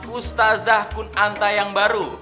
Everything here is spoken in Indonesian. ustazah kunanta yang baru